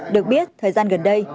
được biết thời gian gần đây